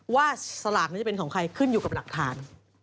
สลากนี้จะเป็นของใครขึ้นอยู่กับหลักฐาน